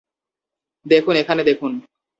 দেখুন, এখানে দেখুন।